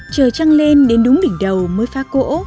chờ trăng lên đến đúng đỉnh đầu mới phá cỗ